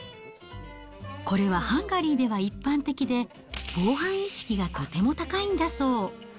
これはハンガリーでは一般的で、防犯意識がとても高いんだそう。